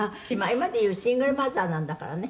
「今でいうシングルマザーなんだからね」